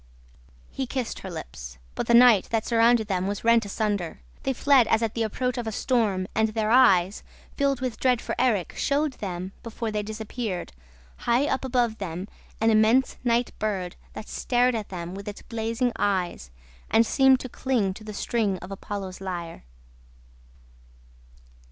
He kissed her lips; but the night that surrounded them was rent asunder, they fled as at the approach of a storm and their eyes, filled with dread of Erik, showed them, before they disappeared, high up above them, an immense night bird that stared at them with its blazing eyes and seemed to cling to the string of Apollo's lyre.